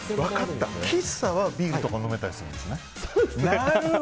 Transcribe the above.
喫茶はビールとか飲めたりするんですね。